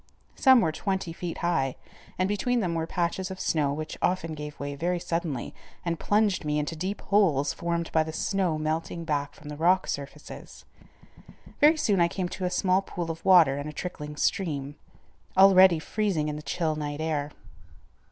Some were twenty feet high, and between them were patches of snow which often gave way very suddenly and plunged me into deep holes formed by the snow melting back from the rock surfaces. Very soon I came to a small pool of water and a trickling stream, already freezing in the chill night air.